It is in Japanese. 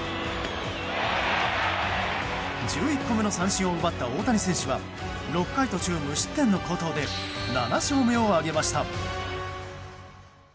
１１個目の三振を奪った大谷選手は６回途中無失点の好投で７勝目を挙げました。